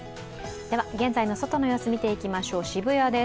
現在の外の様子を見ていきましょう、渋谷です。